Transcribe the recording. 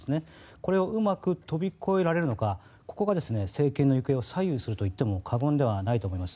これをうまく飛び越えられるのかこれが政権の行方を左右するといっても過言ではないと思います。